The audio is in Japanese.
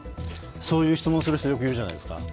そういう質問する人よくいるじゃないですか。